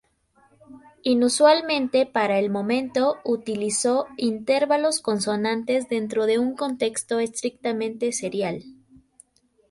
Inusualmente para el momento, utilizó intervalos consonantes dentro de un contexto estrictamente serial.